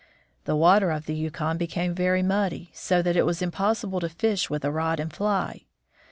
The water of the Yukon became very muddy, so that it was impossible to fish with a rod and fly.